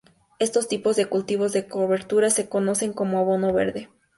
Estos tipos de cultivos de cobertura se conocen como "abono verde".